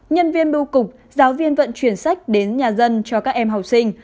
nhân viên bưu cục giáo viên vận chuyển sách đến nhà dân cho các em học sinh